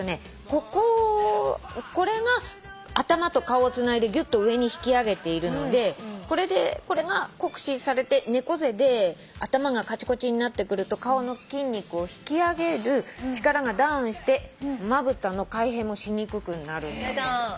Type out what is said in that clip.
こここれが頭と顔をつないでぎゅっと上に引き上げているのでこれが酷使されて猫背で頭がかちこちになってくると顔の筋肉を引き上げる力がダウンしてまぶたの開閉もしにくくなるんだそうです。